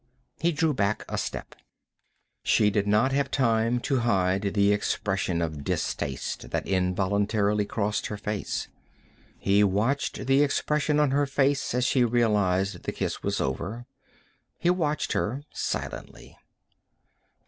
He drew back a step. She did not have time to hide the expression of distaste that involuntarily crossed her face. He watched the expression on her face as she realized the kiss was over. He watched her silently.